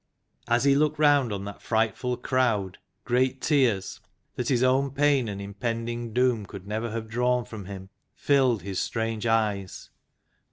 As he looked round on that frightful crowd great tears, that his own pain and impending doom could never have drawn from him, filled his strange eyes.